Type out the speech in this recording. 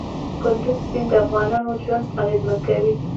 کندز سیند د افغانانو ژوند اغېزمن کوي.